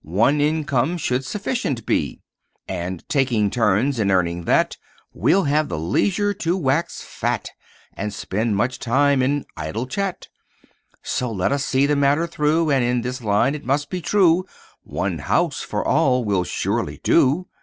One income should sufficient be; "And, taking turns in earning that, We'll have the leisure to wax fat And spend much time in idle chat. "So let us see the matter through, And, in this line, it must be true One house for all will surely do.